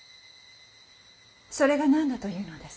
それが何だというのです？